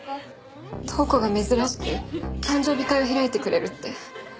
塔子が珍しく誕生日会を開いてくれるって。